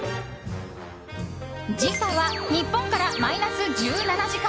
時差は日本からマイナス１７時間。